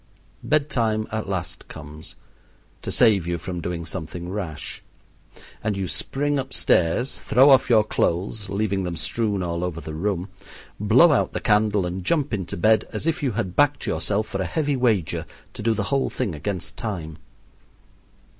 Bed time at last comes, to save you from doing something rash, and you spring upstairs, throw off your clothes, leaving them strewn all over the room, blow out the candle, and jump into bed as if you had backed yourself for a heavy wager to do the whole thing against time.